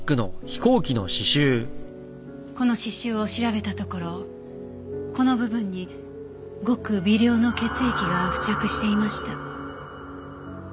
この刺繍を調べたところこの部分にごく微量の血液が付着していました。